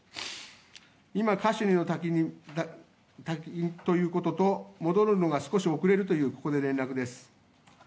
今、カシュニの滝にいることと戻るのが少し遅れるというここで連絡です。